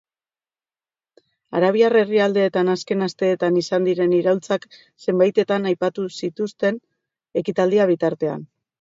Arabiar herrialdeetan azken asteetan izan diren iraultzak zenbaitetan aipatu zituzten ekitaldia bitartean.